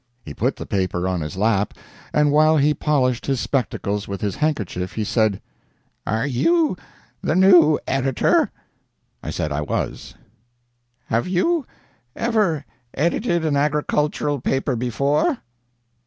He put the paper on his lap, and while he polished his spectacles with his handkerchief he said, "Are you the new editor?" I said I was. "Have you ever edited an agricultural paper before?"